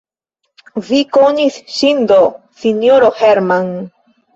Vi konis ŝin do, sinjoro Hermann!